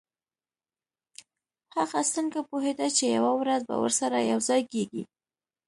هغه څنګه پوهیده چې یوه ورځ به ورسره یوځای کیږي